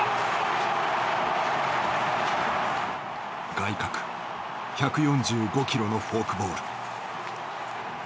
外角１４５キロのフォークボール。